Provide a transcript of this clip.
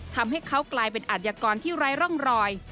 ทำให้เขากลายเป็นอัธยากรที่ไร้ร่องรอย